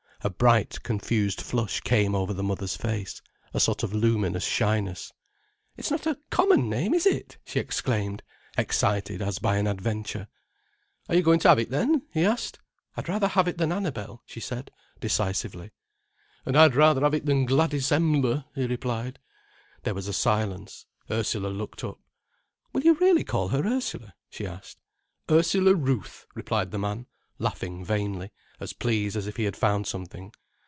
A bright, confused flush came over the mother's face, a sort of luminous shyness. "It's not a common name, is it!" she exclaimed, excited as by an adventure. "Are you goin' to have it then?" he asked. "I'd rather have it than Annabel," she said, decisively. "An' I'd rather have it than Gladys Em'ler," he replied. There was a silence, Ursula looked up. "Will you really call her Ursula?" she asked. "Ursula Ruth," replied the man, laughing vainly, as pleased as if he had found something.